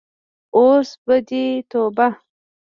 اوس به دې توبه.